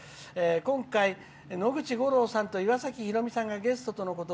今回、野口五郎さんと岩崎宏美さんがゲストとのこと。